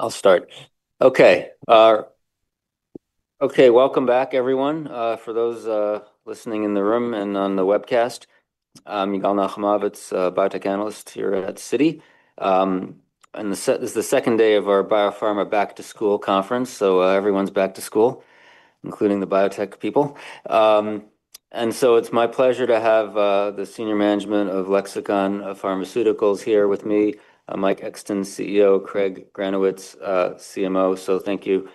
I'll start. Okay. Okay, welcome back, everyone. For those listening in the room and on the webcast, I'm Yigal Nochomovitz, biotech analyst here at Citi. This is the second day of our BioPharma Back to School Conference, so everyone's back to school, including the biotech people. It's my pleasure to have the senior management of Lexicon Pharmaceuticals here with me, Mike Exton, CEO, Craig Granowitz, CMO. Thank you,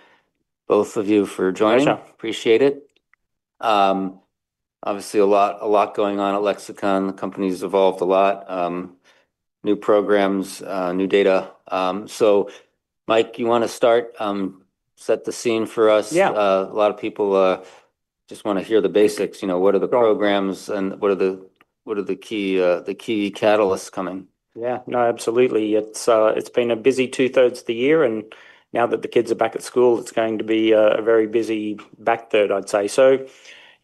both of you, for joining. Pleasure. Appreciate it. Obviously, a lot going on at Lexicon. The company's evolved a lot. New programs, new data. So, Mike, you want to start, set the scene for us? Yeah. A lot of people just want to hear the basics. You know, what are the programs and what are the key catalysts coming? Yeah, no, absolutely. It's been a busy two-thirds of the year, and now that the kids are back at school, it's going to be a very busy back third, I'd say.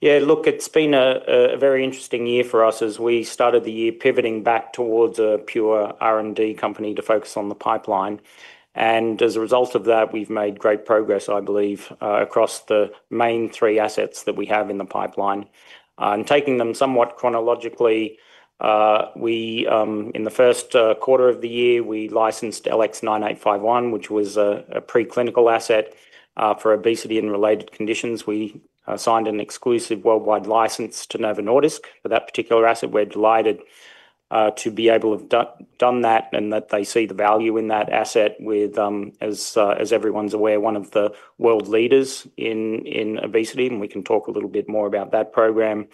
Yeah, look, it's been a very interesting year for us as we started the year pivoting back towards a pure R&D company to focus on the pipeline. As a result of that, we've made great progress, I believe, across the main three assets that we have in the pipeline. Taking them somewhat chronologically, in the first quarter of the year, we licensed LX9851, which was a preclinical asset for obesity and related conditions. We signed an exclusive worldwide license to Novo Nordisk for that particular asset. We're delighted to be able to have done that and that they see the value in that asset. As everyone's aware, one of the world leaders in obesity, and we can talk a little bit more about that program.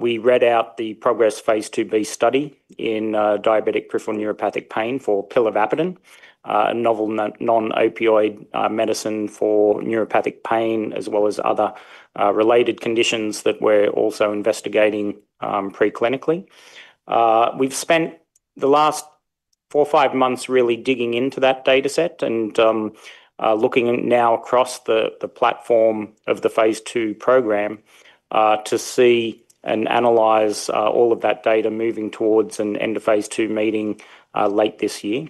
We read out the PROGRESS phase 2b study in diabetic peripheral neuropathic pain for pilavapadin, a novel non-opioid medicine for neuropathic pain, as well as other related conditions that we're also investigating preclinically. We've spent the last four or five months really digging into that dataset and looking now across the platform of the phase II program to see and analyze all of that data moving towards an end-of-phase II meeting late this year.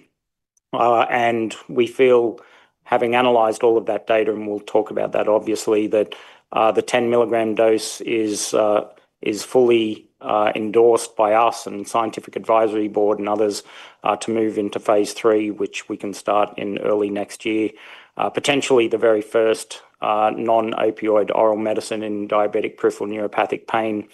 We feel, having analyzed all of that data, and we'll talk about that, obviously, that the 10 mg dose is fully endorsed by us and the Scientific Advisory Board and others to move into phase III, which we can start in early next year, potentially the very first non-opioid oral medicine in diabetic peripheral neuropathic pain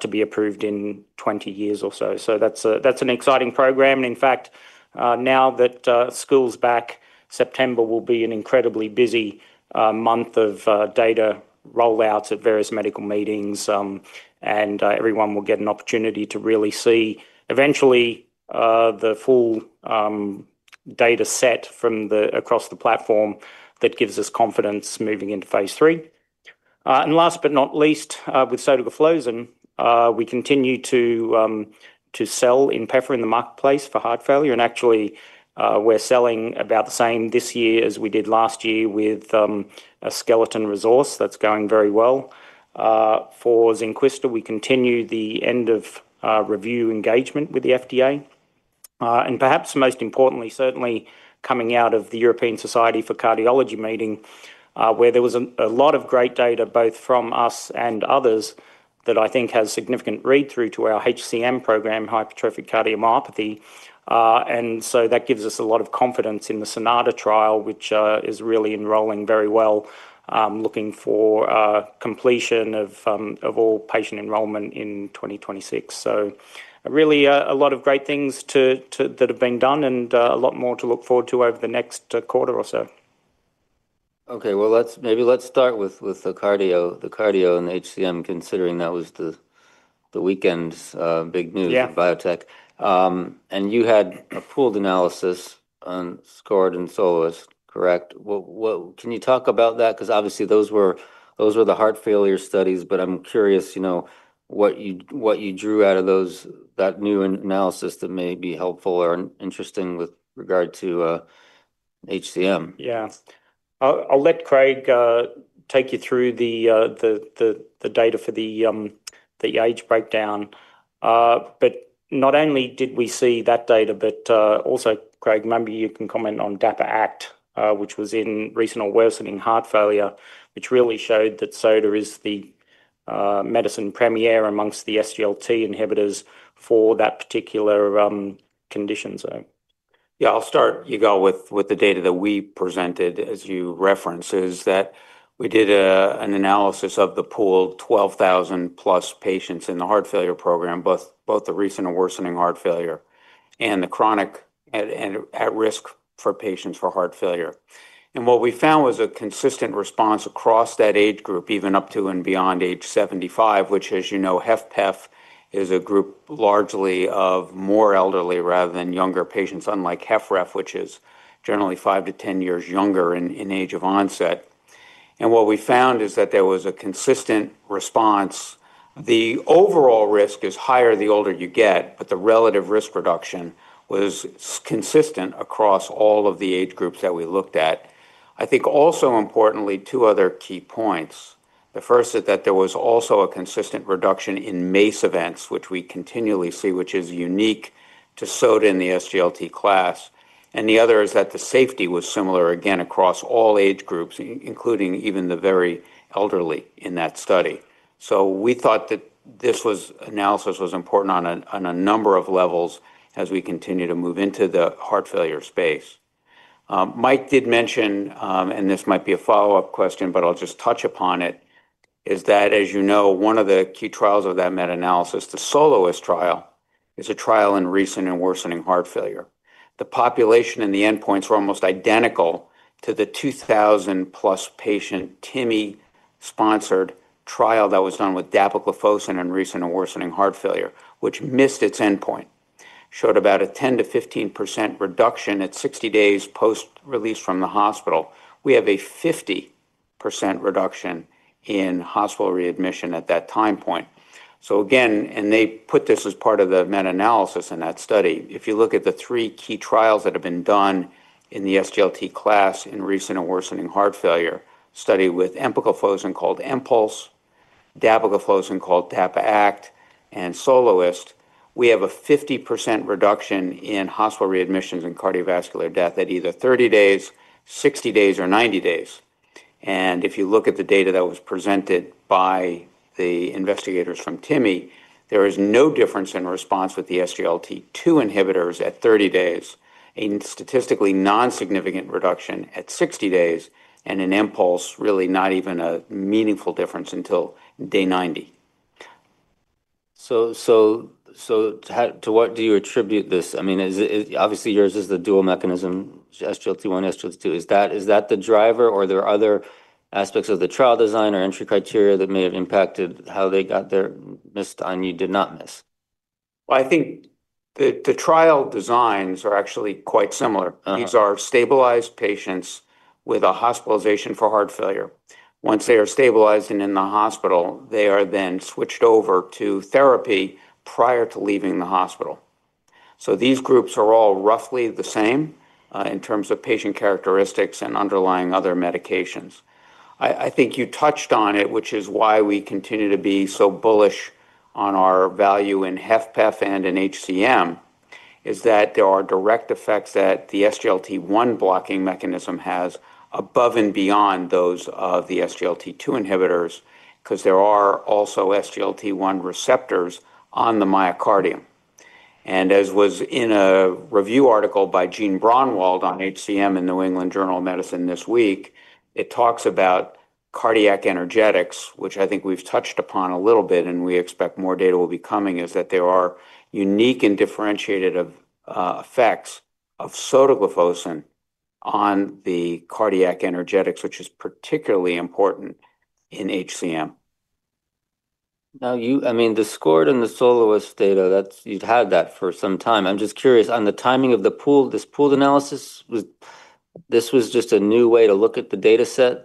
to be approved in 20 years or so. That's an exciting program. In fact, now that school's back, September will be an incredibly busy month of data rollouts at various medical meetings. Everyone will get an opportunity to really see eventually the full dataset across the platform that gives us confidence moving into phase III. Last but not least, with sotagliflozin, we continue to sell INPEFA in the marketplace for heart failure. Actually, we're selling about the same this year as we did last year with a skeleton resource that's going very well. For Zynquista, we continue the end-of-review engagement with the FDA. Perhaps most importantly, certainly coming out of the European Society of Cardiology meeting, where there was a lot of great data, both from us and others, that I think has significant read-through to our HCM program, hypertrophic cardiomyopathy. So that gives us a lot of confidence in the SONATA trial, which is really enrolling very well, looking for completion of all patient enrollment in 2026. Really a lot of great things that have been done and a lot more to look forward to over the next quarter or so. Okay, well, maybe let's start with the cardio and HCM, considering that was the weekend's big news in biotech. And you had a pooled analysis SCORED and SOLOIST, correct? Can you talk about that? Because obviously, those were the heart failure studies, but I'm curious what you drew out of that new analysis that may be helpful or interesting with regard to HCM. Yeah. I'll let Craig take you through the data, the age breakdown. But not only did we see that data, but also, Craig, maybe you can comment on DAPA Act, which was in recent or worsening heart failure, which really showed that SOTA is the premier medicine amongst the SGLT inhibitors for that particular condition, so. Yeah, I'll start, Yigal, with the data that we presented, as you referenced, is that we did an analysis of the pooled 12,000-plus patients in the heart failure program, both the recent or worsening heart failure and the chronic and at-risk for patients for heart failure. What we found was a consistent response across that age group, even up to and beyond age 75, which, as you know, HFpEF is a group largely of more elderly rather than younger patients, unlike HFrEF, which is generally five to 10 years younger in age of onset. What we found is that there was a consistent response. The overall risk is higher the older you get, but the relative risk reduction was consistent across all of the age groups that we looked at. I think also importantly, two other key points. The first is that there was also a consistent reduction in MACE events, which we continually see, which is unique to SOTA in the SGLT class, and the other is that the safety was similar, again, across all age groups, including even the very elderly in that study, so we thought that this analysis was important on a number of levels as we continue to move into the heart failure space. Mike did mention, and this might be a follow-up question, but I'll just touch upon it, is that, as you know, one of the key trials of that meta-analysis, the SOLOIST trial, is a trial in recent and worsening heart failure. The population and the endpoints were almost identical to the 2,000-plus patient TIMI-sponsored trial that was done with dapagliflozin in recent and worsening heart failure, which missed its endpoint, showed about a 10%-15% reduction at 60 days post-release from the hospital. We have a 50% reduction in hospital readmission at that time point. So again, and they put this as part of the meta-analysis in that study. If you look at the three key trials that have been done in the SGLT class in recent and worsening heart failure study with empagliflozin called EMPULSE, dapagliflozin called DICTATE-AHF, and SOLOIST, we have a 50% reduction in hospital readmissions and cardiovascular death at either 30 days, 60 days, or 90 days. If you look at the data that was presented by the investigators from TIMI, there is no difference in response with the SGLT2 inhibitors at 30 days, a statistically non-significant reduction at 60 days, and in EMPULSE, really not even a meaningful difference until day 90. To what do you attribute this? I mean, obviously, yours is the dual mechanism, SGLT1, SGLT2. Is that the driver, or are there other aspects of the trial design or entry criteria that may have impacted how they missed and you did not miss? I think the trial designs are actually quite similar. These are stabilized patients with a hospitalization for heart failure. Once they are stabilized and in the hospital, they are then switched over to therapy prior to leaving the hospital. So these groups are all roughly the same in terms of patient characteristics and underlying other medications. I think you touched on it, which is why we continue to be so bullish on our value in HFpEF and in HCM, is that there are direct effects that the SGLT1 blocking mechanism has above and beyond those of the SGLT2 inhibitors, because there are also SGLT1 receptors on the myocardium. As was in a review article by Eugene Braunwald on HCM in the New England Journal of Medicine this week, it talks about cardiac energetics, which I think we've touched upon a little bit, and we expect more data will be coming, is that there are unique and differentiated effects of sotagliflozin on the cardiac energetics, which is particularly important in HCM. Now, I mean, the SCORED and the SOLOIST data, you've had that for some time. I'm just curious on the timing of the pooled, this pooled analysis, this was just a new way to look at the dataset?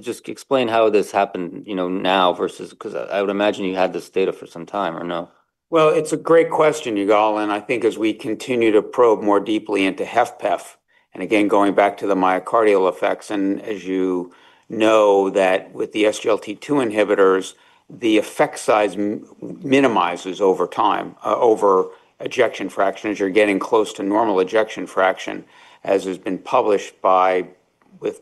Just explain how this happened now versus because I would imagine you had this data for some time, or no? It's a great question, Yigal, and I think as we continue to probe more deeply into HFpEF, and again, going back to the myocardial effects, and as you know that with the SGLT2 inhibitors, the effect size minimizes over time, over ejection fraction, as you're getting close to normal ejection fraction, as has been published by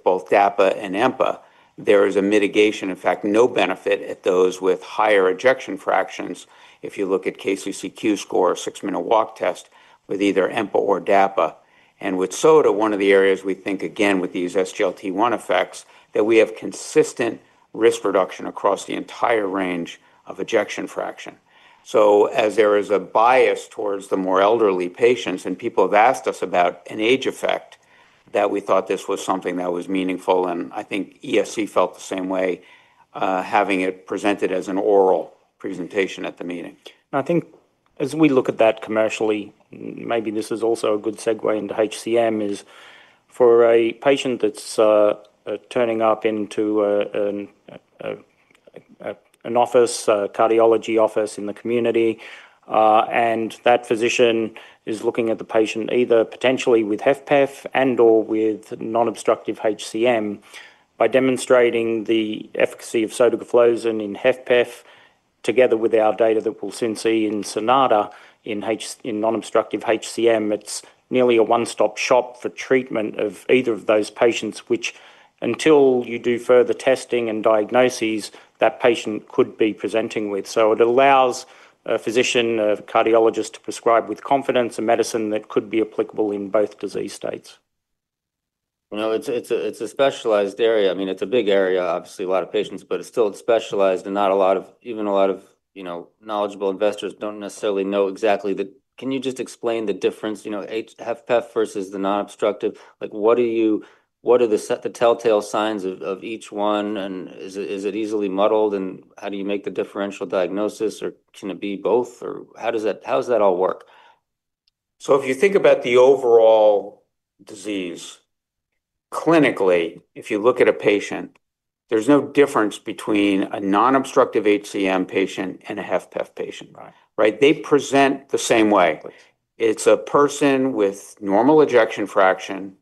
both DAPA and EMPA. There is a mitigation, in fact, no benefit at those with higher ejection fractions, if you look at KCCQ score, six-minute walk test with either EMPA or DAPA, and with SOTA, one of the areas we think, again, with these SGLT1 effects, that we have consistent risk reduction across the entire range of ejection fraction, so as there is a bias towards the more elderly patients, and people have asked us about an age effect, that we thought this was something that was meaningful. I think ESC felt the same way, having it presented as an oral presentation at the meeting. I think as we look at that commercially, maybe this is also a good segue into HCM. It is for a patient that's turning up into an office, cardiology office in the community, and that physician is looking at the patient either potentially with HFpEF and/or with non-obstructive HCM. By demonstrating the efficacy of sotagliflozin in HFpEF, together with our data that we'll soon see in SONATA in non-obstructive HCM, it's nearly a one-stop shop for treatment of either of those patients, which until you do further testing and diagnoses, that patient could be presenting with. So it allows a physician, a cardiologist to prescribe with confidence a medicine that could be applicable in both disease states. It's a specialized area. I mean, it's a big area, obviously, a lot of patients, but it's still specialized, and not a lot of, even a lot of knowledgeable investors don't necessarily know exactly the, can you just explain the difference, HFpEF versus the non-obstructive? What are the telltale signs of each one? And is it easily muddled? And how do you make the differential diagnosis? Or can it be both? Or how does that all work? So if you think about the overall disease, clinically, if you look at a patient, there's no difference between a non-obstructive HCM patient and a HFpEF patient. They present the same way. It's a person with normal ejection fraction,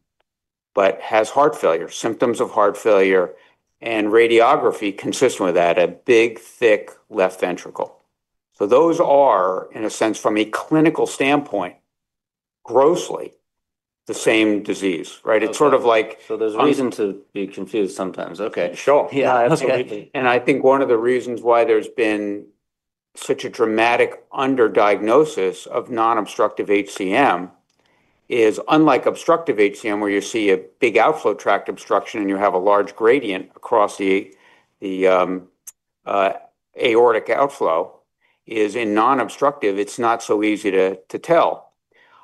but has heart failure, symptoms of heart failure, and radiography consistent with that, a big thick left ventricle. So those are, in a sense, from a clinical standpoint, grossly the same disease. It's sort of like. So there's a reason to be confused sometimes. Okay. Sure. Yeah, absolutely, and I think one of the reasons why there's been such a dramatic underdiagnosis of non-obstructive HCM is, unlike obstructive HCM, where you see a big outflow tract obstruction and you have a large gradient across the aortic outflow, is in non-obstructive, it's not so easy to tell.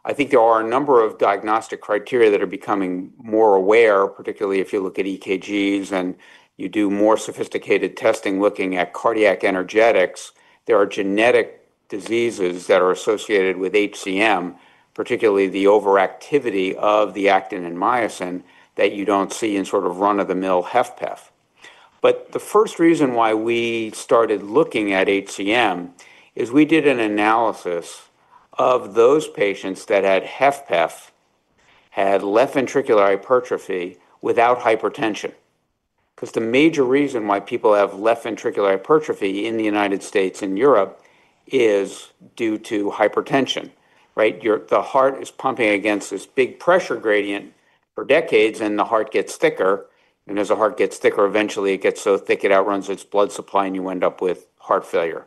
I think there are a number of diagnostic criteria that are becoming more aware, particularly if you look at EKGs and you do more sophisticated testing looking at cardiac energetics. There are genetic diseases that are associated with HCM, particularly the overactivity of the actin and myosin that you don't see in sort of run-of-the-mill HFpEF. But the first reason why we started looking at HCM is we did an analysis of those patients that had HFpEF, had left ventricular hypertrophy without hypertension. Because the major reason why people have left ventricular hypertrophy in the United States and Europe is due to hypertension. The heart is pumping against this big pressure gradient for decades, and the heart gets thicker. And as the heart gets thicker, eventually it gets so thick it outruns its blood supply, and you end up with heart failure.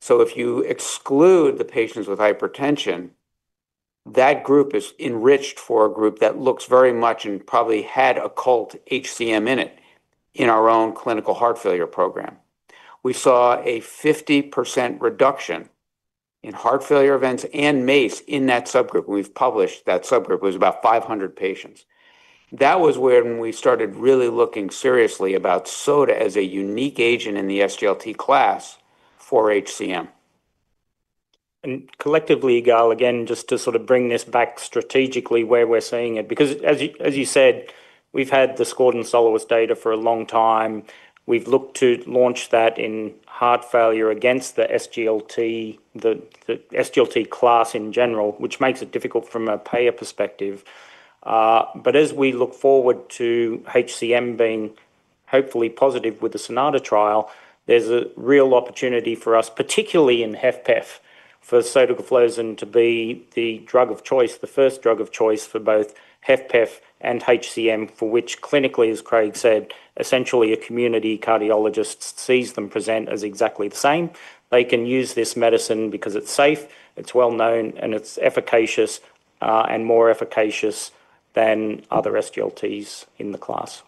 So if you exclude the patients with hypertension, that group is enriched for a group that looks very much and probably had occult HCM in it in our own clinical heart failure program. We saw a 50% reduction in heart failure events and MACE in that subgroup. We've published that subgroup. It was about 500 patients. That was when we started really looking seriously about SOTA as a unique agent in the SGLT class for HCM. Collectively, Yigal, again, just to sort of bring this back strategically where we're seeing it, because as you said, we've had the SCORED and SOLOIST data for a long time. We've looked to launch that in heart failure against the SGLT class in general, which makes it difficult from a payer perspective. But as we look forward to HCM being hopefully positive with the SONATA trial, there's a real opportunity for us, particularly in HFpEF, for sotagliflozin to be the drug of choice, the first drug of choice for both HFpEF and HCM, for which clinically, as Craig said, essentially a community cardiologist sees them present as exactly the same. They can use this medicine because it's safe, it's well-known, and it's efficacious and more efficacious than other SGLTs in the class.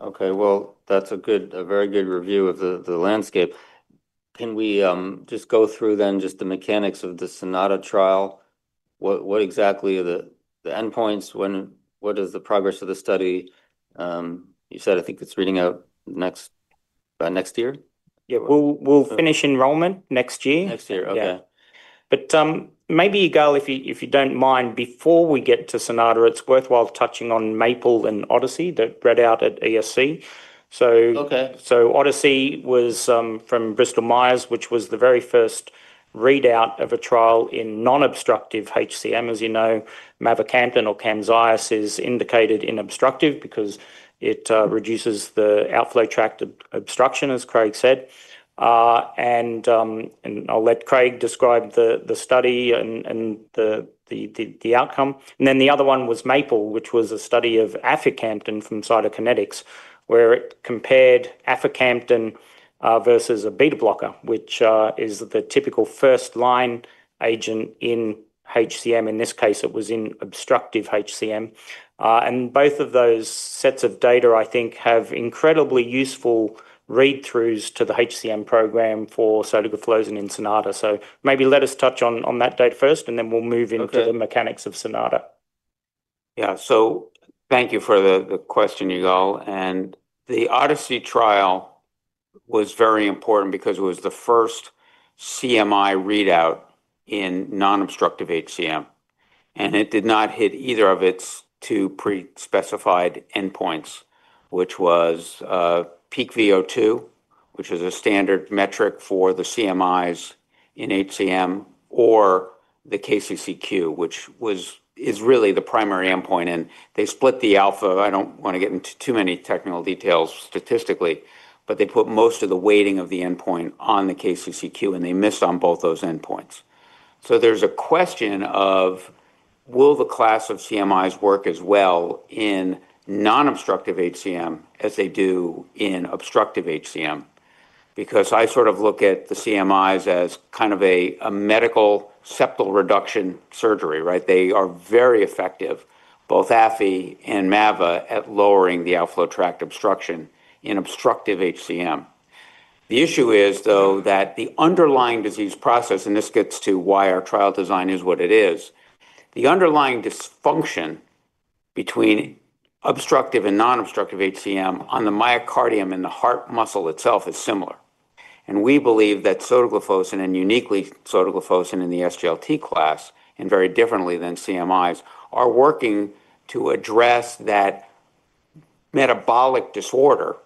Okay, well, that's a very good review of the landscape. Can we just go through then just the mechanics of the SONATA trial? What exactly are the endpoints? What is the progress of the study? You said, I think it's reading out next year? Yeah, we'll finish enrollment next year. Next year, okay. But maybe, Yigal, if you don't mind, before we get to SONATA, it's worthwhile touching on MAPLE and ODYSSEY that read out at ESC. So ODYSSEY was from Bristol Myers, which was the very first readout of a trial in non-obstructive HCM. As you know, mavacamten, or CAMZYOS, is indicated in obstructive because it reduces the outflow tract obstruction, as Craig said. And I'll let Craig describe the study and the outcome. And then the other one was MAPLE, which was a study of aficamten from Cytokinetics, where it compared aficamten versus a beta blocker, which is the typical first-line agent in HCM. In this case, it was in obstructive HCM. And both of those sets of data, I think, have incredibly useful read-throughs to the HCM program for sotagliflozin in SONATA. So maybe let us touch on that data first, and then we'll move into the mechanics of SONATA. Yeah, so thank you for the question, Yigal. The ODYSSEY trial was very important because it was the first CMI readout in non-obstructive HCM. It did not hit either of its two pre-specified endpoints, which was peak VO2, which is a standard metric for the CMIs in HCM, or the KCCQ, which is really the primary endpoint. They split the alpha. I don't want to get into too many technical details statistically, but they put most of the weighting of the endpoint on the KCCQ, and they missed on both those endpoints. There's a question of, will the class of CMIs work as well in non-obstructive HCM as they do in obstructive HCM? Because I sort of look at the CMIs as kind of a medical septal reduction surgery. They are very effective, both afi and mava, at lowering the outflow tract obstruction in obstructive HCM. The issue is, though, that the underlying disease process, and this gets to why our trial design is what it is, the underlying dysfunction between obstructive and non-obstructive HCM on the myocardium and the heart muscle itself is similar. And we believe that sotagliflozin, and uniquely sotagliflozin in the SGLT class, and very differently than CMIs, are working to address that metabolic disorder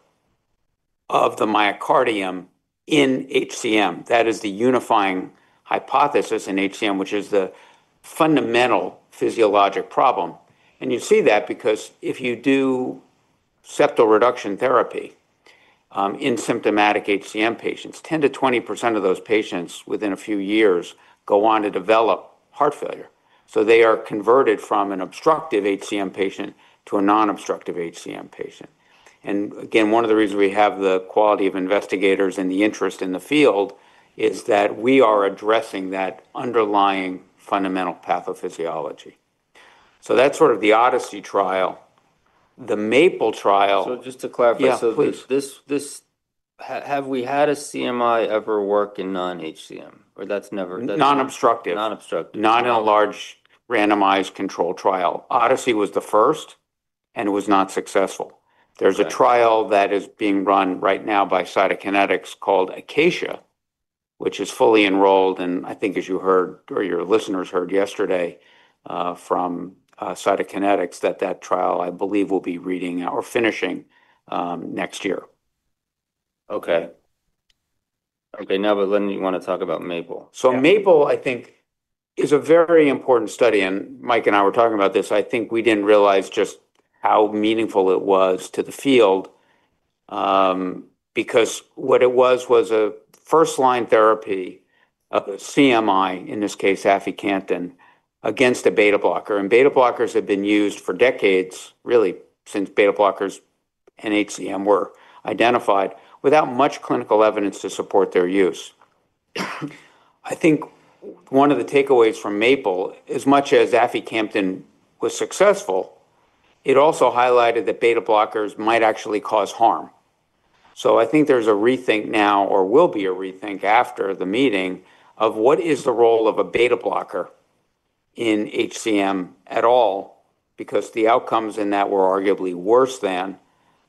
of the myocardium in HCM. That is the unifying hypothesis in HCM, which is the fundamental physiologic problem. And you see that because if you do septal reduction therapy in symptomatic HCM patients, 10%-20% of those patients within a few years go on to develop heart failure. So they are converted from an obstructive HCM patient to a non-obstructive HCM patient. And again, one of the reasons we have the quality of investigators and the interest in the field is that we are addressing that underlying fundamental pathophysiology. So that's sort of the ODYSSEY trial. The MAPLE trial. So just to clarify, so have we had a CMI ever work in non-HCM? Or that's never? Non-obstructive. Non-obstructive. Not in a large randomized controlled trial. ODYSSEY was the first, and it was not successful. There's a trial that is being run right now by Cytokinetics called ACACIA, which is fully enrolled. And I think, as you heard, or your listeners heard yesterday from Cytokinetics, that that trial, I believe, will be reading or finishing next year. Okay. Okay, now, but then you want to talk about MAPLE. So MAPLE, I think, is a very important study. And Mike and I were talking about this. I think we didn't realize just how meaningful it was to the field because what it was was a first-line therapy of a CMI, in this case, aficamten, against a beta blocker. And beta blockers have been used for decades, really, since beta blockers and HCM were identified, without much clinical evidence to support their use. I think one of the takeaways from MAPLE, as much as aficamten was successful, it also highlighted that beta blockers might actually cause harm. So I think there's a rethink now, or will be a rethink after the meeting, of what is the role of a beta blocker in HCM at all, because the outcomes in that were arguably worse than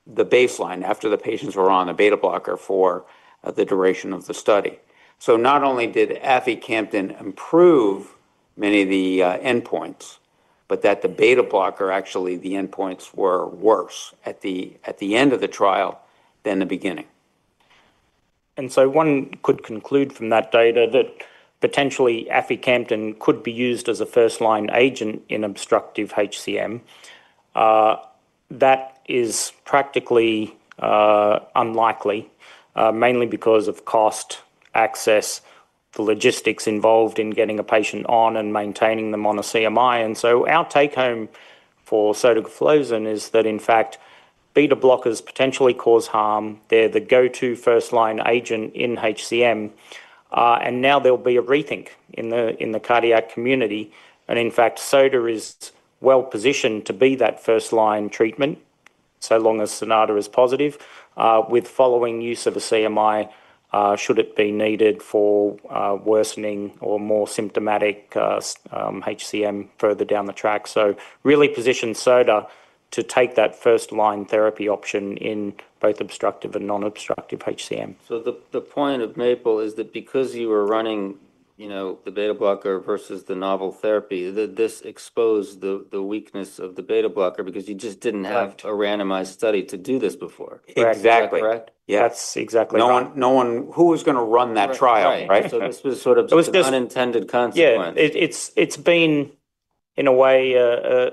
the baseline after the patients were on a beta blocker for the duration of the study. So not only did aficamten improve many of the endpoints, but that the beta blocker, actually, the endpoints were worse at the end of the trial than the beginning. And so one could conclude from that data that potentially aficamten could be used as a first-line agent in obstructive HCM. That is practically unlikely, mainly because of cost, access, the logistics involved in getting a patient on and maintaining them on a CMI. And so our take-home for sotagliflozin is that, in fact, beta blockers potentially cause harm. They're the go-to first-line agent in HCM. And now there'll be a rethink in the cardiac community. And in fact, SOTA is well-positioned to be that first-line treatment, so long as SONATA is positive, with following use of a CMI should it be needed for worsening or more symptomatic HCM further down the track. So really position SOTA to take that first-line therapy option in both obstructive and non-obstructive HCM. So the point of MAPLE is that because you were running the beta blocker versus the novel therapy, this exposed the weakness of the beta blocker because you just didn't have a randomized study to do this before. Exactly. Is that correct? Yeah, that's exactly right. No one who was going to run that trial, right? This was sort of an unintended consequence. Yeah, it's been, in a way,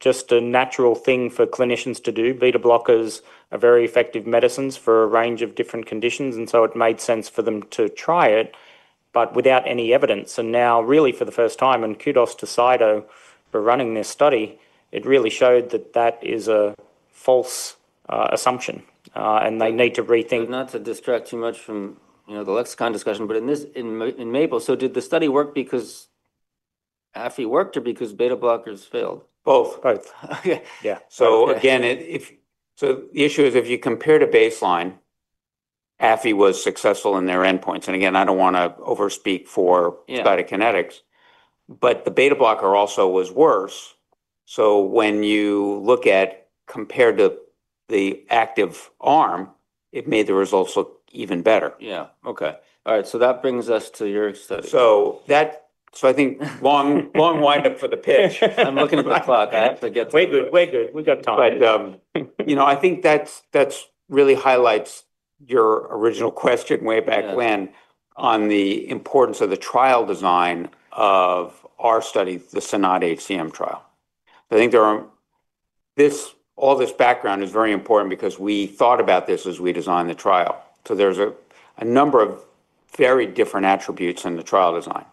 just a natural thing for clinicians to do. Beta blockers are very effective medicines for a range of different conditions, and so it made sense for them to try it, but without any evidence, and now, really, for the first time, and kudos to Sido for running this study, it really showed that that is a false assumption, and they need to rethink. Not to distract too much from the Lexicon discussion, but in MAPLE, so did the study work because aficamten worked or because beta blockers failed? Both. Both. Yeah. So again, the issue is if you compare to baseline, aficamten was successful in their endpoints. And again, I don't want to overspeak for Cytokinetics, but the beta blocker also was worse. So when you look at, compared to the active arm, it made the results look even better. Yeah, okay. All right, so that brings us to your study. So I think long windup for the pitch. I'm looking at the clock. I have to get to. We're good. We're good. We've got time. But I think that really highlights your original question way back when on the importance of the trial design of our study, the SONATA-HCM trial. I think all this background is very important because we thought about this as we designed the trial. So there's a number of very different attributes in the trial design.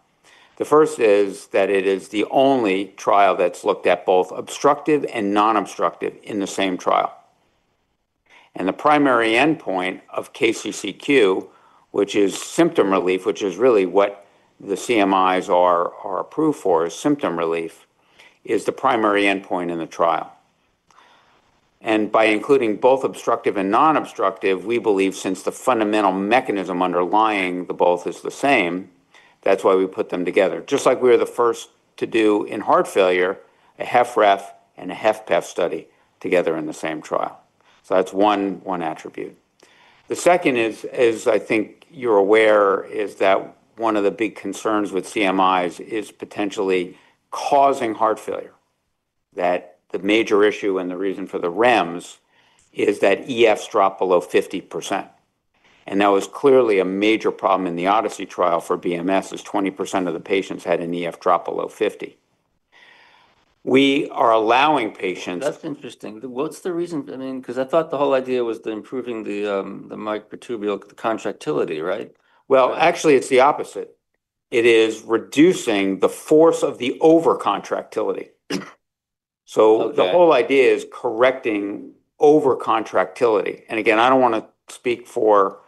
The first is that it is the only trial that's looked at both obstructive and non-obstructive in the same trial. And the primary endpoint of KCCQ, which is symptom relief, which is really what the CMIs are approved for, is symptom relief, is the primary endpoint in the trial. And by including both obstructive and non-obstructive, we believe since the fundamental mechanism underlying the both is the same, that's why we put them together. Just like we were the first to do in heart failure, a HFrEF and a HFpEF study together in the same trial. So that's one attribute. The second is, I think you're aware, is that one of the big concerns with CMIs is potentially causing heart failure. That the major issue and the reason for the REMS is that EFs drop below 50%. And that was clearly a major problem in the ODYSSEY trial for BMS, is 20% of the patients had an EF drop below 50. We are allowing patients. That's interesting. What's the reason? I mean, because I thought the whole idea was improving the myocardial, the contractility, right? Well, actually, it's the opposite. It is reducing the force of the overcontractility. So the whole idea is correcting overcontractility. And again, I don't want to speak for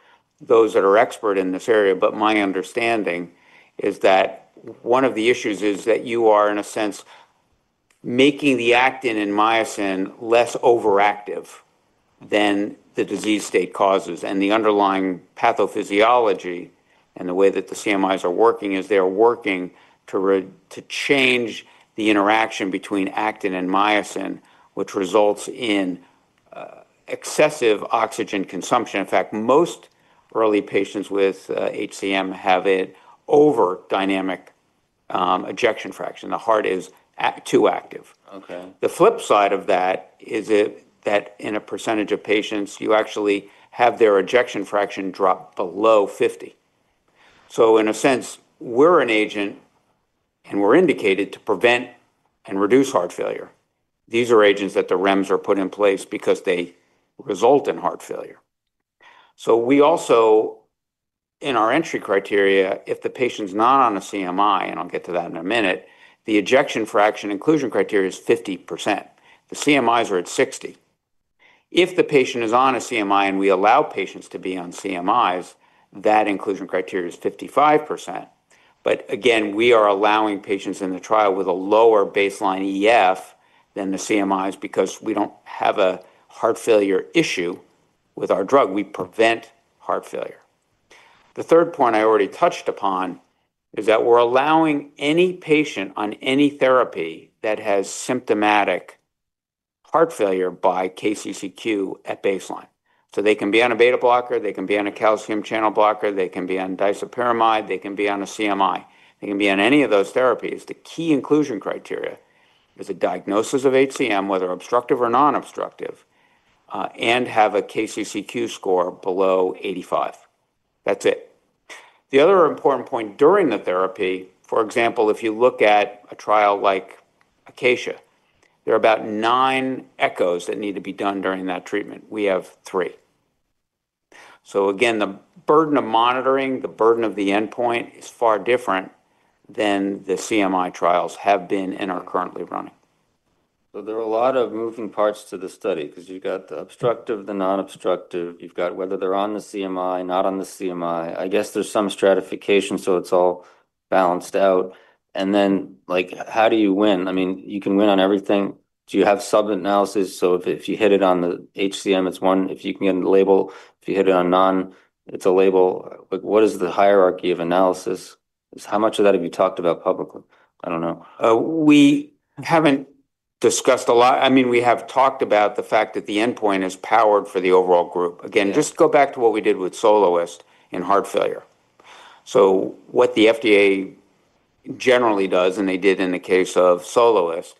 those that are expert in this area, but my understanding is that one of the issues is that you are, in a sense, making the actin and myosin less overactive than the disease state causes. And the underlying pathophysiology and the way that the CMIs are working is they're working to change the interaction between actin and myosin, which results in excessive oxygen consumption. In fact, most early patients with HCM have an overdynamic ejection fraction. The heart is too active. The flip side of that is that in a percentage of patients, you actually have their ejection fraction drop below 50. So in a sense, we're an agent, and we're indicated to prevent and reduce heart failure. These are agents that the REMS are put in place because they result in heart failure. So we also, in our entry criteria, if the patient's not on a CMI, and I'll get to that in a minute, the ejection fraction inclusion criteria is 50%. The CMIs are at 60%. If the patient is on a CMI and we allow patients to be on CMIs, that inclusion criteria is 55%. But again, we are allowing patients in the trial with a lower baseline EF than the CMIs because we don't have a heart failure issue with our drug. We prevent heart failure. The third point I already touched upon is that we're allowing any patient on any therapy that has symptomatic heart failure by KCCQ at baseline. So they can be on a beta blocker, they can be on a calcium channel blocker, they can be on disopyramide, they can be on a CMI, they can be on any of those therapies. The key inclusion criteria is a diagnosis of HCM, whether obstructive or non-obstructive, and have a KCCQ score below 85. That's it. The other important point during the therapy, for example, if you look at a trial like ACACIA, there are about nine echoes that need to be done during that treatment. We have three. So again, the burden of monitoring, the burden of the endpoint is far different than the CMI trials have been and are currently running. So there are a lot of moving parts to the study because you've got the obstructive, the non-obstructive, you've got whether they're on the CMI, not on the CMI. I guess there's some stratification, so it's all balanced out. And then how do you win? I mean, you can win on everything. Do you have sub-analysis? So if you hit it on the HCM, it's one. If you can get a label, if you hit it on non, it's a label. What is the hierarchy of analysis? How much of that have you talked about publicly? I don't know. We haven't discussed a lot. I mean, we have talked about the fact that the endpoint is powered for the overall group. Again, just go back to what we did with SOLOIST-WHF in heart failure. So what the FDA generally does, and they did in the case of SOLOIST-WHF,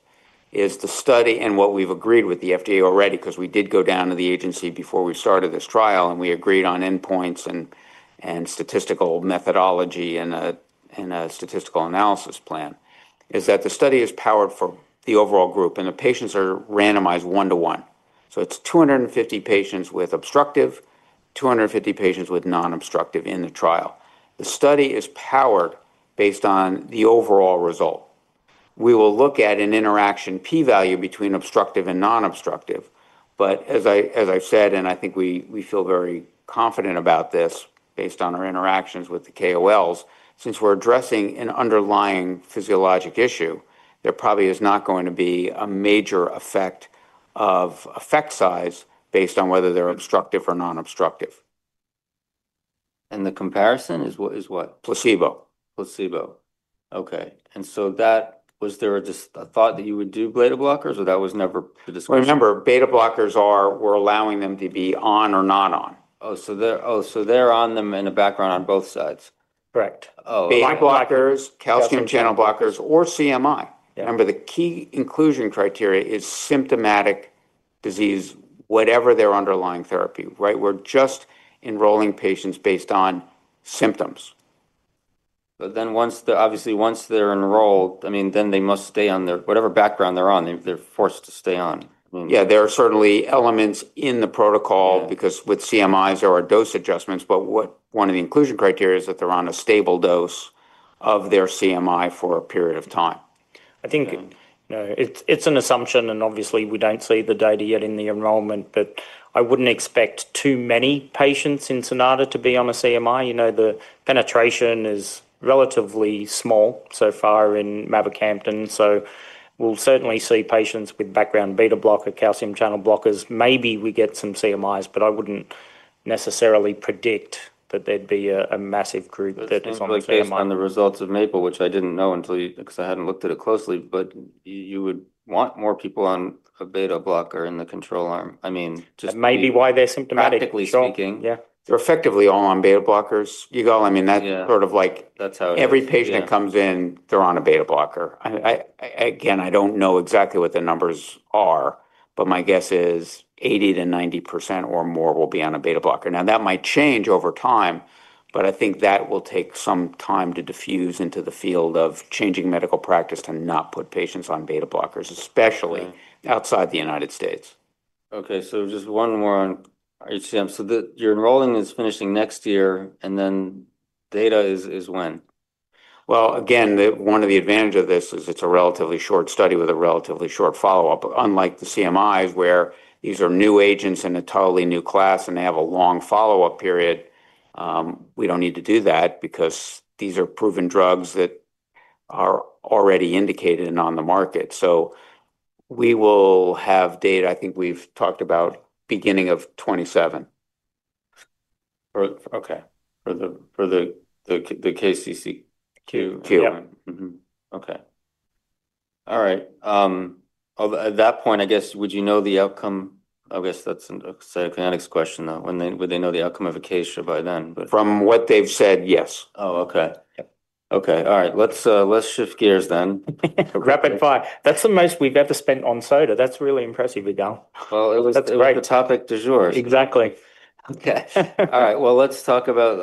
is the study, and what we've agreed with the FDA already, because we did go down to the agency before we started this trial, and we agreed on endpoints and statistical methodology and a statistical analysis plan, is that the study is powered for the overall group, and the patients are randomized one-to-one. So it's 250 patients with obstructive, 250 patients with non-obstructive in the trial. The study is powered based on the overall result. We will look at an interaction p-value between obstructive and non-obstructive. But as I've said, and I think we feel very confident about this based on our interactions with the KOLs, since we're addressing an underlying physiologic issue, there probably is not going to be a major effect size based on whether they're obstructive or non-obstructive. The comparison is what? Placebo. Placebo. Okay. And so was there a thought that you would do beta blockers, or that was never the discussion? Remember, beta blockers were allowing them to be ob or non-ob. Oh, so they're on them in the background on both sides. Correct. Oh, beta blockers. Calcium channel blockers or CMI. Remember, the key inclusion criteria is symptomatic disease, whatever their underlying therapy, right? We're just enrolling patients based on symptoms. But then obviously, once they're enrolled, I mean, then they must stay on their whatever background they're on. They're forced to stay on. Yeah, there are certainly elements in the protocol because with CMIs, there are dose adjustments. But one of the inclusion criteria is that they're on a stable dose of their CMI for a period of time. I think it's an assumption, and obviously, we don't see the data yet in the enrollment, but I wouldn't expect too many patients in SONATA to be on a CMI. The penetration is relatively small so far in mavacamten. So we'll certainly see patients with background beta blocker, calcium channel blockers. Maybe we get some CMIs, but I wouldn't necessarily predict that there'd be a massive group that is on the CMI. But that's on the results of MAPLE, which I didn't know until because I hadn't looked at it closely, but you would want more people on a beta blocker in the control arm. I mean. Maybe why they're symptomatic. Practically speaking. Yeah. They're effectively all on beta blockers. I mean, that's sort of like every patient that comes in, they're on a beta blocker. Again, I don't know exactly what the numbers are, but my guess is 80%-90% or more will be on a beta blocker. Now, that might change over time, but I think that will take some time to diffuse into the field of changing medical practice to not put patients on beta blockers, especially outside the United States. Okay, so just one more on HCM. So your enrollment is finishing next year, and then data is when? Again, one of the advantages of this is it's a relatively short study with a relatively short follow-up. Unlike the CMIs, where these are new agents and a totally new class, and they have a long follow-up period, we don't need to do that because these are proven drugs that are already indicated and on the market. So we will have data, I think we've talked about, beginning of 2027. Okay, for the KCCQ. Q. Okay. All right. At that point, I guess, would you know the outcome? I guess that's a psychoanalytic question, though. Would they know the outcome of ACACIA by then? From what they've said, yes. Oh, okay. All right. Let's shift gears then. $5. That's some money we've ever spent on SOTA. That's really impressive, Yigal. At least it's the topic du jour. Exactly. Okay. All right, well, let's talk about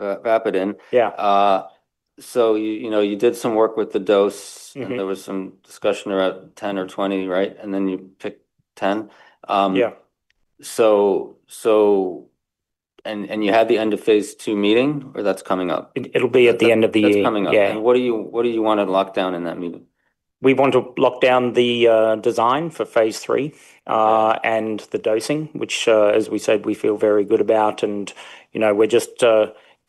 pilavapadin. So you did some work with the dose, and there was some discussion around 10 or 20, right? And then you picked 10. Yeah. You had the end of phase II meeting, or that's coming up? It'll be at the end of the year. That's coming up. And what do you want to lock down in that meeting? We want to lock down the design for phase III and the dosing, which, as we said, we feel very good about. And we're just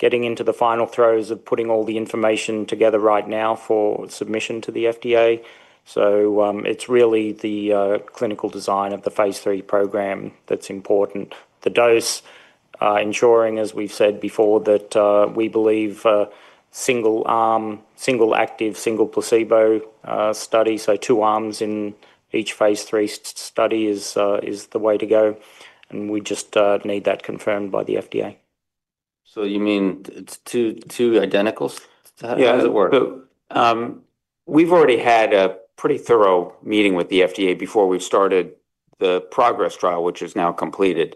getting into the final throes of putting all the information together right now for submission to the FDA. So it's really the clinical design of the phase III program that's important. The dose, ensuring, as we've said before, that we believe single arm, single active, single placebo study, so two arms in each phase III study is the way to go. And we just need that confirmed by the FDA. So you mean two identicals? How does it work? Yeah, we've already had a pretty thorough meeting with the FDA before we've started the PROGRESS trial, which is now completed,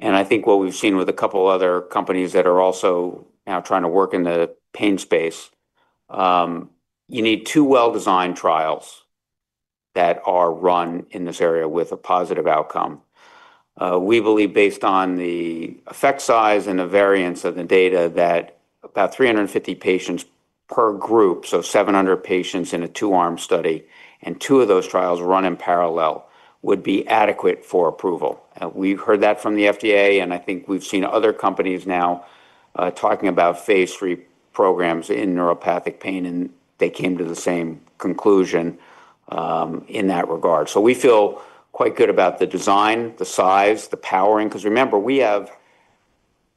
and I think what we've seen with a couple of other companies that are also now trying to work in the pain space, you need two well-designed trials that are run in this area with a positive outcome. We believe, based on the effect size and the variance of the data, that about 350 patients per group, so 700 patients in a two-arm study, and two of those trials run in parallel, would be adequate for approval. We've heard that from the FDA, and I think we've seen other companies now talking about phase III programs in neuropathic pain, and they came to the same conclusion in that regard, so we feel quite good about the design, the size, the powering. Because remember, we have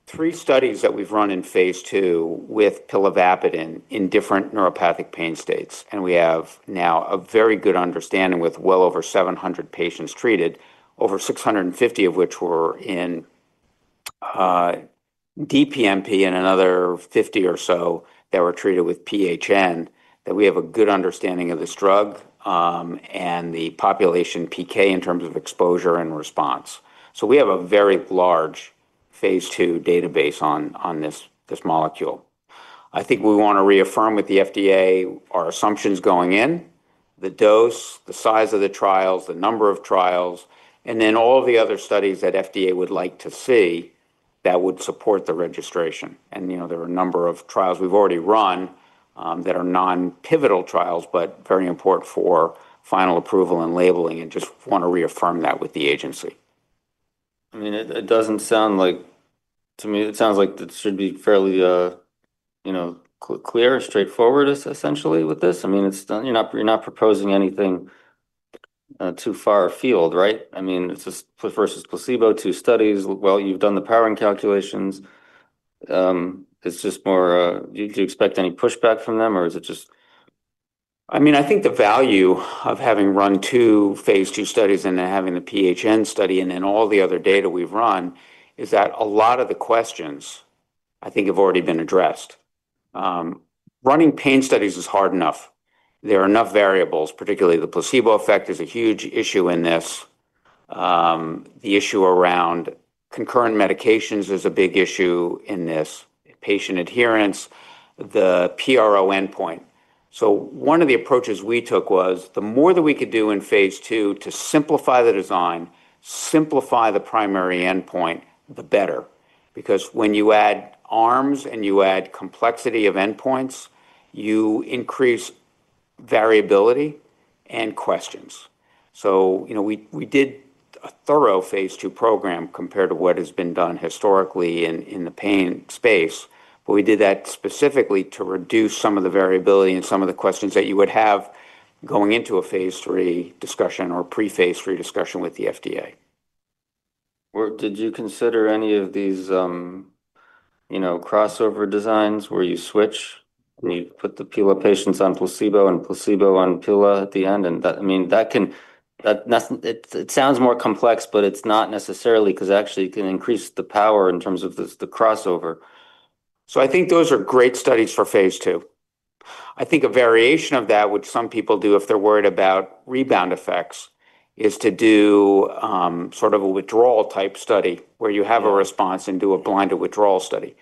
three studies that we've run in phase II with pilavapadin in different neuropathic pain states. We have now a very good understanding with well over 700 patients treated, over 650 of which were in DPNP and another 50 or so that were treated with PHN, that we have a good understanding of this drug and the population PK in terms of exposure and response. We have a very large phase II database on this molecule. I think we want to reaffirm with the FDA our assumptions going in, the dose, the size of the trials, the number of trials, and then all the other studies that FDA would like to see that would support the registration. There are a number of trials we've already run that are non-pivotal trials, but very important for final approval and labeling, and just want to reaffirm that with the agency. I mean, it doesn't sound like to me. It sounds like it should be fairly clear and straightforward, essentially, with this. I mean, you're not proposing anything too far afield, right? I mean, it's just versus placebo, two studies. Well, you've done the powering calculations. It's just more do you expect any pushback from them, or is it just? I mean, I think the value of having run two phase II studies and then having the PHN study and then all the other data we've run is that a lot of the questions, I think, have already been addressed. Running pain studies is hard enough. There are enough variables. Particularly, the placebo effect is a huge issue in this. The issue around concurrent medications is a big issue in this. Patient adherence, the PRO endpoint. So one of the approaches we took was the more that we could do in phase II to simplify the design, simplify the primary endpoint, the better. Because when you add arms and you add complexity of endpoints, you increase variability and questions. So we did a thorough phase II program compared to what has been done historically in the pain space. But we did that specifically to reduce some of the variability and some of the questions that you would have going into a phase III discussion or pre-phase III discussion with the FDA. Did you consider any of these crossover designs where you switch and you put the pill of patients on placebo and placebo on pill at the end? I mean, that sounds more complex, but it's not necessarily because actually it can increase the power in terms of the crossover. I think those are great studies for phase II. I think a variation of that, which some people do if they're worried about rebound effects, is to do sort of a withdrawal type study where you have a response and do a blinded withdrawal study.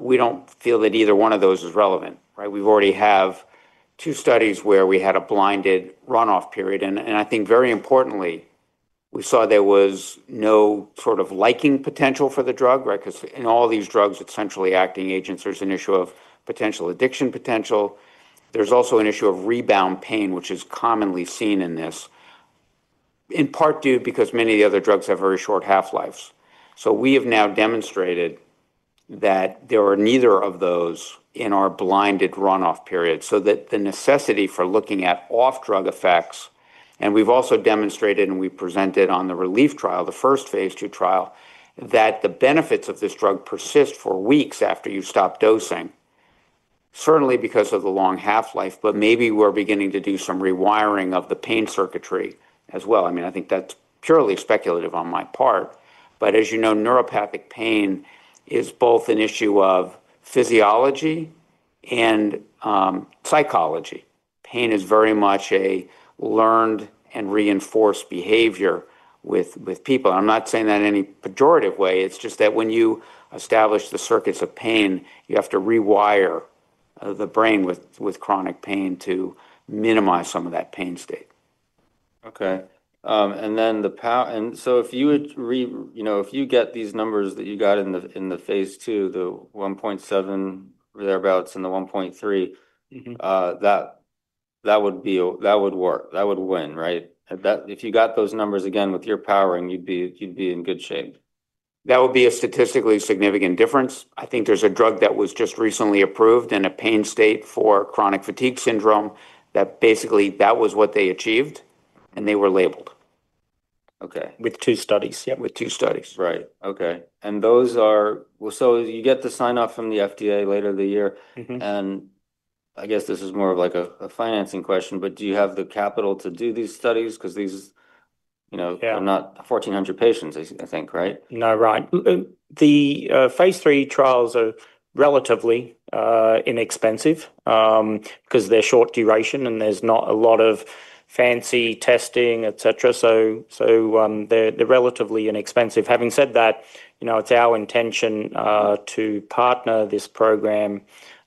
We don't feel that either one of those is relevant, right? We've already had two studies where we had a blinded runoff period. And I think very importantly, we saw there was no sort of liking potential for the drug, right? Because in all these drugs, essentially acting agents, there's an issue of potential addiction potential. There's also an issue of rebound pain, which is commonly seen in this, in part due because many of the other drugs have very short half-lives. We have now demonstrated that there are neither of those in our blinded runoff period. That the necessity for looking at off-drug effects, and we've also demonstrated and we presented on the RELIEF trial, the first phase II trial, that the benefits of this drug persist for weeks after you stop dosing, certainly because of the long half-life, but maybe we're beginning to do some rewiring of the pain circuitry as well. I mean, I think that's purely speculative on my part. But as you know, neuropathic pain is both an issue of physiology and psychology. Pain is very much a learned and reinforced behavior with people. I'm not saying that in any pejorative way. It's just that when you establish the circuits of pain, you have to rewire the brain with chronic pain to minimize some of that pain state. Okay. And then the power, and so if you would, if you get these numbers that you got in the phase II, the 1.7 or thereabouts and the 1.3, that would work. That would win, right? If you got those numbers again with your powering, you'd be in good shape. That would be a statistically significant difference. I think there's a drug that was just recently approved in a pain state for chronic fatigue syndrome that basically was what they achieved, and they were labeled. Okay. With two studies, yep. With two studies. Right. Okay. And those are, well, so you get the sign-off from the FDA later in the year. And I guess this is more of like a financing question, but do you have the capital to do these studies? Because these are not 1,400 patients, I think, right? No, right. The phase III trials are relatively inexpensive because they're short duration and there's not a lot of fancy testing, etc. So they're relatively inexpensive. Having said that, it's our intention to partner this program.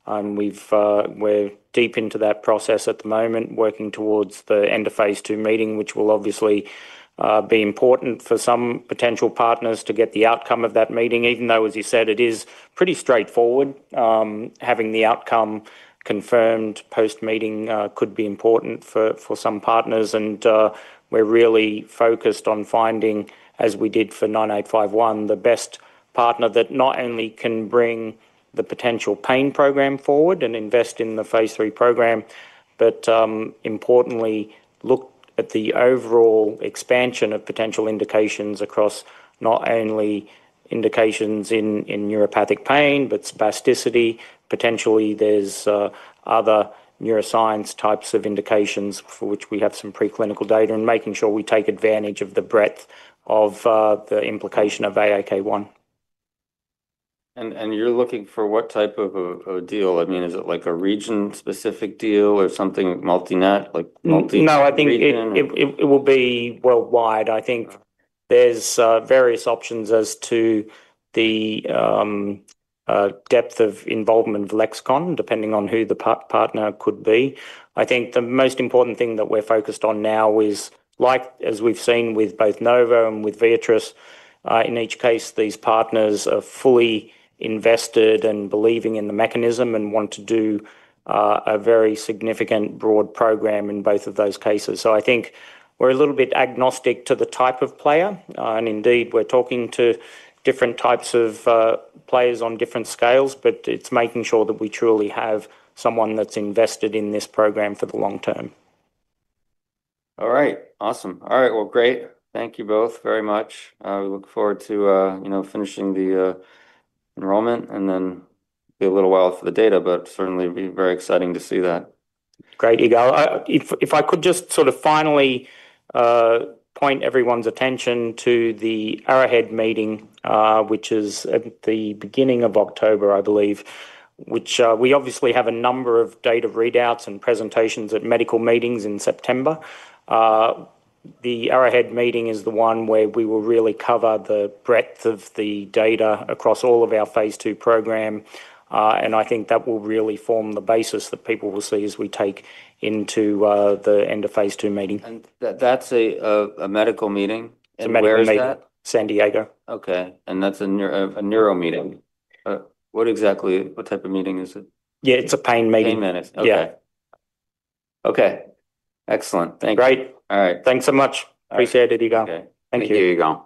We're deep into that process at the moment, working towards the end of phase II meeting, which will obviously be important for some potential partners to get the outcome of that meeting, even though, as you said, it is pretty straightforward. Having the outcome confirmed post-meeting could be important for some partners. And we're really focused on finding, as we did for 9851, the best partner that not only can bring the potential pain program forward and invest in the phase III program, but importantly, look at the overall expansion of potential indications across not only indications in neuropathic pain, but spasticity. Potentially, there's other neuroscience types of indications for which we have some preclinical data and making sure we take advantage of the breadth of the implication of AAK1. And you're looking for what type of a deal? I mean, is it like a region-specific deal or something multi-net, like multi-region? No, I think it will be worldwide. I think there's various options as to the depth of involvement of Lexicon, depending on who the partner could be. I think the most important thing that we're focused on now is, like as we've seen with both Novo and with Viatris, in each case, these partners are fully invested and believing in the mechanism and want to do a very significant broad program in both of those cases. So I think we're a little bit agnostic to the type of player. And indeed, we're talking to different types of players on different scales, but it's making sure that we truly have someone that's invested in this program for the long term. All right. Awesome. All right, well, great. Thank you both very much. We look forward to finishing the enrollment and then be a little while for the data, but certainly be very exciting to see that. Great, Yigal. If I could just sort of finally point everyone's attention to the Arrowhead meeting, which is at the beginning of October, I believe, which we obviously have a number of data readouts and presentations at medical meetings in September. The Arrowhead meeting is the one where we will really cover the breadth of the data across all of our phase II program. I think that will really form the basis that people will see as we take into the end of phase II meeting. And that's a medical meeting? And where is that? San Diego. San Diego. Okay, and that's a neuro meeting. What exactly? What type of meeting is it? Yeah, it's a pain meeting. Pain medicine. Okay. Okay. Excellent. Thanks. Great. All right. Thanks so much. Appreciate it, Yigal. Thank you. Thank you, Yigal.